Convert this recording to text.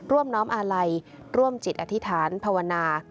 น้อมอาลัยร่วมจิตอธิษฐานภาวนา